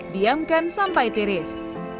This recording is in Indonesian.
diamkan sampai tiris